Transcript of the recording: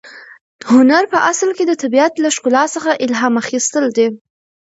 هنر په اصل کې د طبیعت له ښکلا څخه الهام اخیستل دي.